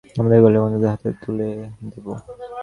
আজ রাতের মধ্যে, তোমাকে আমরা আমাদের গরিলা বন্ধুদের হাতে তুলে দেব।